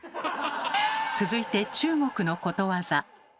続いて中国のことわざ。